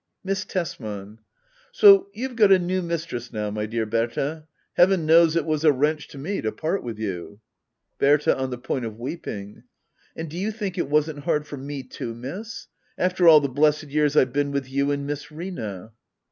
Miss Tesman. So you've got a new mistress now, my dear Berta. Heaven knows it was a wrench to me to part with you. Berta. [On the point of weeping,] And do you think it wasn't hard for me too. Miss ? After all the blessed years I've been with you and Miss Rina.